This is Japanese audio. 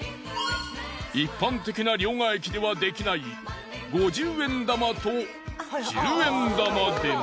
一般的な両替機ではできない５０円玉と１０円玉でも。